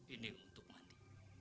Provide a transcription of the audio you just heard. ini untuk mandi